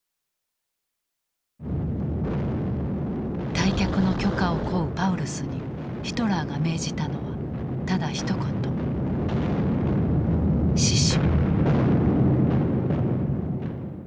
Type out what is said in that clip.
退却の許可を請うパウルスにヒトラーが命じたのはただひと言「死守」。